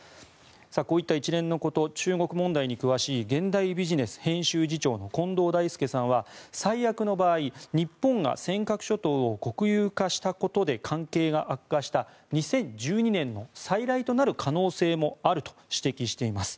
こういった一連のこと中国問題に詳しい現代ビジネス編集次長の近藤大介さんは最悪の場合、日本が尖閣諸島を国有化したことで関係が悪化した２０１２年の再来となる可能性もあると指摘しています。